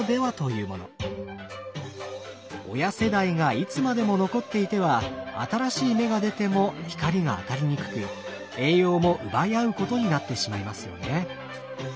親世代がいつまでも残っていては新しい芽が出ても光が当たりにくく栄養も奪い合うことになってしまいますよね。